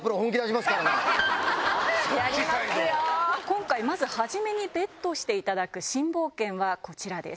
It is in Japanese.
今回まず始めにＢＥＴしていただく新冒険はこちらです。